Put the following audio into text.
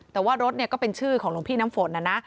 แต่ว่ารถก็เป็นชื่อของหลวงพี่น้ำฝนนะนะ